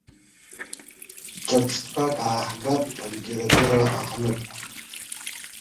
Ҿырԥштәқәак ааҳгап алитература аҟнытә.